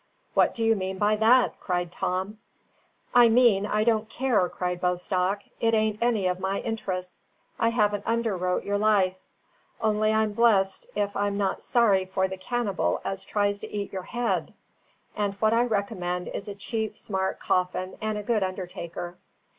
"What do you mean by that?" cried Tom. "I mean I don't care," cried Bostock. "It ain't any of my interests. I haven't underwrote your life. Only I'm blest if I'm not sorry for the cannibal as tries to eat your head. And what I recommend is a cheap, smart coffin and a good undertaker.